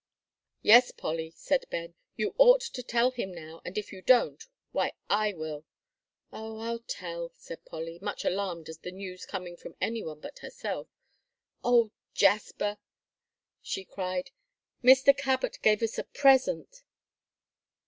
"Yes, Polly," said Ben, "you ought to tell him now; and if you don't, why I will." "Oh, I'll tell," said Polly, much alarmed at the news coming from any one but herself. "Oh, Jasper," she cried, "Mr. Cabot gave us a present."